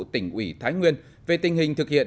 tỉnh ủy thái nguyên về tình hình thực hiện